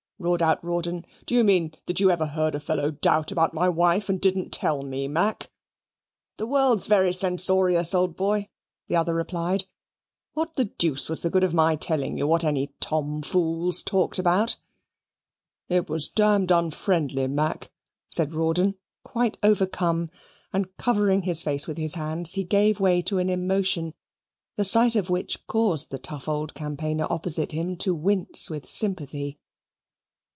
roared out Rawdon; "do you mean that you ever heard a fellow doubt about my wife and didn't tell me, Mac?" "The world's very censorious, old boy," the other replied. "What the deuce was the good of my telling you what any tom fools talked about?" "It was damned unfriendly, Mac," said Rawdon, quite overcome; and, covering his face with his hands, he gave way to an emotion, the sight of which caused the tough old campaigner opposite him to wince with sympathy.